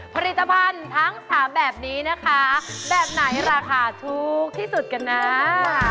ผลิตภัณฐ์ตั้ง๓แบบนี้นะคะแบบไหนราคาถูกที่อย่างน้ำ